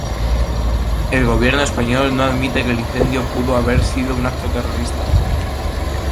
El Gobierno español no admite que el incendio pudo haber sido un acto terrorista.